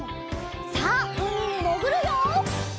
さあうみにもぐるよ！